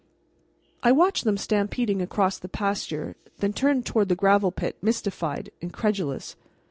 I watched them stampeding across the pasture, then turned toward the gravel pit, mystified, incredulous.